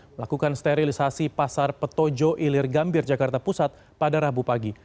melakukan sterilisasi pasar petojo ilir gambir jakarta pusat pada rabu pagi